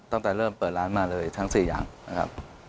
ตั้งแต่เริ่มเปิดร้านมาเลยทั้ง๔อย่างนะครับ